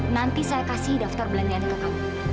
nanti saya kasih daftar belanjaan ke kamu